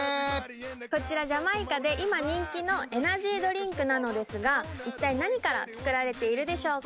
こちらジャマイカで今人気のエナジードリンクなのですが一体何から作られているでしょうか？